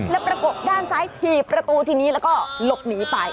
แล้วประกบด้านซ้ายถีบประตูทีนี้แล้วก็หลบหนีไป